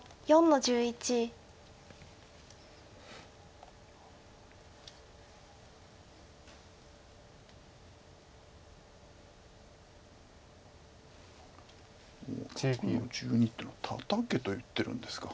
６の十二っていうのは「タタけ」と言ってるんですか。